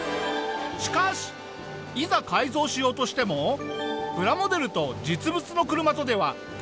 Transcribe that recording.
しかしいざ改造しようとしてもプラモデルと実物の車とでは大変さが桁違い！